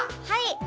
はい！